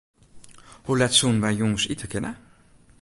Hoe let soenen wy jûns ite kinne?